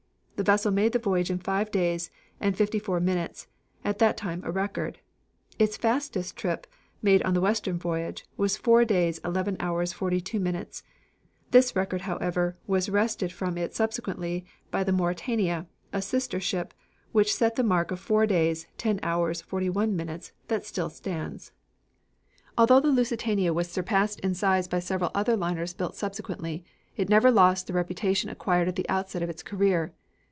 The vessel made the voyage in five days and fifty four minutes, at that time a record. Its fastest trip, made on the western voyage, was four days eleven hours forty two minutes. This record, however, was wrested from it subsequently by the Mauretania, a sister ship, which set the mark of four days ten hours forty one minutes, that still stands. Although the Lusitania was surpassed in size by several other liners built subsequently, it never lost the reputation acquired at the outset of its career.